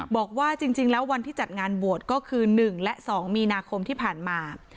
บอกว่าจริงแล้ววันที่จัดงานบวชก็คือ๑และ๒มีนาคมที่ผ่านมา